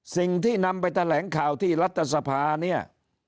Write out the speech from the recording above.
สิ่งที่นำไปแถลงข่าวที่รัฐสภาเนี่ย